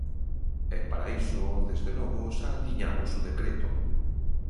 E para iso, desde logo, xa tiñamos o decreto.